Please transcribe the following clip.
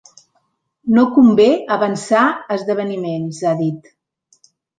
No convé avançar esdeveniments, ha dit.